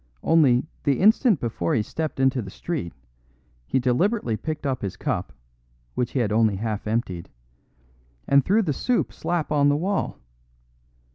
Only, the instant before he stepped into the street he deliberately picked up his cup, which he had only half emptied, and threw the soup slap on the wall.